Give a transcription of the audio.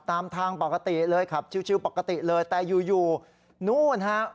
ตามทางปกติเลยขับชิลปกติเลยแต่อยู่นู่นฮะ